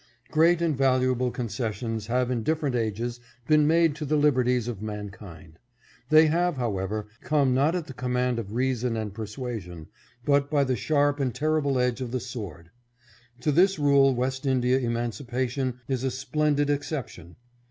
Great and valuable concessions have in different ages been made to the liberties of mankind. They have, however, come not at the command of reason and per suasion, but by the sharp and terrible edge of the sword. To this rule West India emancipation is a splendid ex ception.